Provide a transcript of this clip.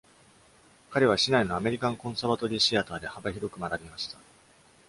彼は市内のアメリカンコンサバトリーシアターで幅広く学びました。